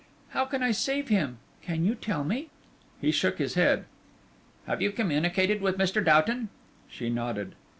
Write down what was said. How can I save him can you tell me?" He shook his head. "Have you communicated with Mr. Doughton?" She nodded.